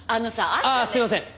ああすいません！